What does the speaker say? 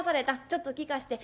ちょっと聞かして。